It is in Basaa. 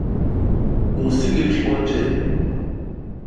U nsigil ki bo njel?